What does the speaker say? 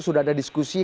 sudah ada diskusi